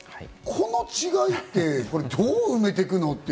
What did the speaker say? この違いってどう埋めていくの？って。